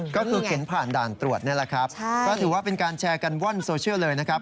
ก็คือเข็นผ่านด่านตรวจนี่แหละครับก็ถือว่าเป็นการแชร์กันว่อนโซเชียลเลยนะครับ